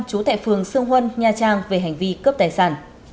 trú tại phường sương huân nha trang về hành vi cướp tài sản